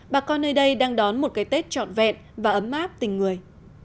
bà con nơi đây đang đón một cái tết trọn vẹn và ấm áp tình người